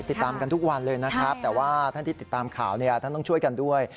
ติดตามกันทุกวันเลยนะครับแต่ว่าท่านที่ติดตามข่าวเนี่ยท่านต้องช่วยกันด้วย